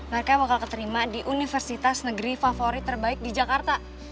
mereka bakal keterima di universitas negeri favorit terbaik di jakarta